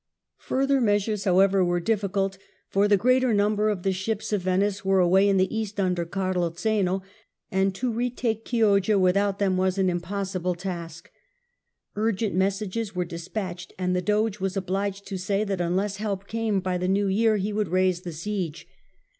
Further measures, however, were difficult, for the greater number of the ships of Ven ice were away in the East under Carlo Zeno, and to retake Chioggia without them was an impossible task. Urgent messages were despatched, and the Doge was obliged to say that unless help came by the New Year he would raise the siege.